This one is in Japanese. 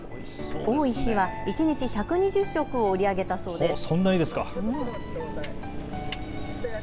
多い日は一日１２０食を売り上げたそうです。